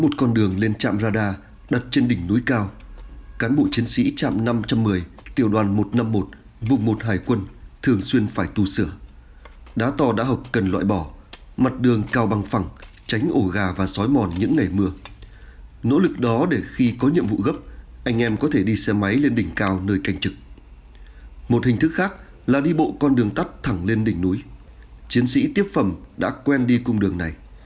trên đỉnh núi chiến sĩ tiếp phẩm đã quen đi cung đường này